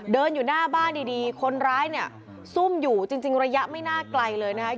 เดินอยู่หน้าบ้านดีคนร้ายเนี่ยซุ่มอยู่จริงระยะไม่น่าไกลเลยนะคะ